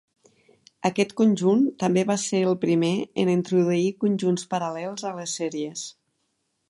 Aquest conjunt també va ser el primer en introduir "conjunts paral·lels" a les sèries.